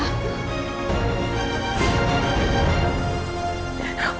sama adiknya sendiri